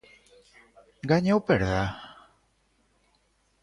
Gañe ou perda?